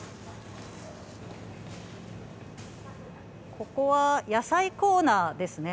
ここは野菜コーナーですね。